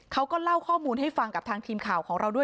เขาก็เล่าข้อมูลให้ฟังกับทางทีมข่าวของเราด้วย